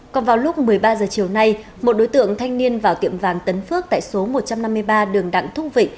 còn vào lúc một mươi ba h chiều nay một đối tượng thanh niên vào tiệm vàng tấn phước tại số một trăm năm mươi ba đường đặng thung vịnh